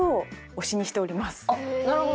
なるほど。